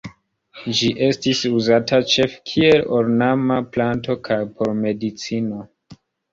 Ĝi estis uzata ĉefe kiel ornama planto kaj por medicino.